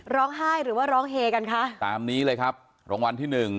ร้องไห้หรือว่าร้องเฮกันคะตามนี้เลยครับรางวัลที่หนึ่ง